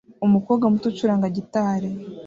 Umukobwa muto ucuranga gitari